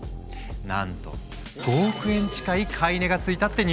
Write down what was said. なんと５億円近い買い値がついたってニュースも！